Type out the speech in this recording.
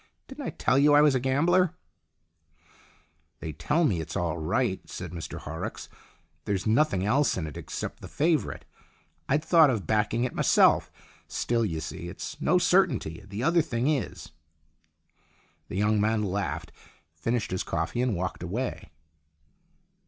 " Didn't I tell you I was a gambler ?"" They tell me it's all right," said Mr Horrocks. "There's nothing else in it except the favourite. I'd thought of backing it myself. Still, you see, it's no certainty, and the other thing is." The young man laughed, finished his coffee, and walked away.